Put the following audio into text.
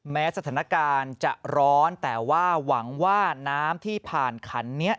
แม้สถานการณ์จะร้อนแต่ว่าหวังว่าน้ำที่ผ่านขันนี้